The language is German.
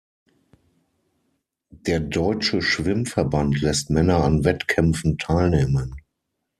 Der Deutsche Schwimm-Verband lässt Männer an Wettkämpfen teilnehmen.